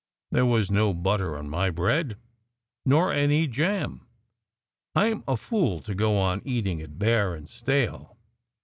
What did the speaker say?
"There was no butter on my bread, nor any jam. I m a fool to go on eating it bare and stale